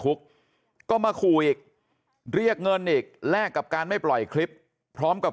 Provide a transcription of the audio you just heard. คุกก็มาขู่อีกเรียกเงินอีกแลกกับการไม่ปล่อยคลิปพร้อมกับ